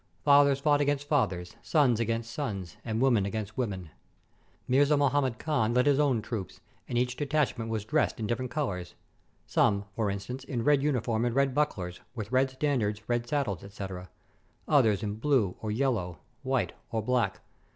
Fathers fought against fathers, sons against sons, and women against women! Mirza Mohammed Khan led his own troops, and each detachment was dressed in different colors — some, for instance, in red uniform and red bucklers, with red standards, red saddles, etc., others in blue or yellow, white or black.